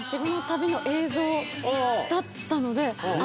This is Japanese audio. だったので。